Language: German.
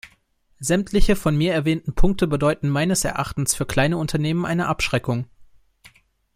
Sämtliche von mir erwähnten Punkte bedeuten meines Erachtens für kleine Unternehmen eine Abschreckung.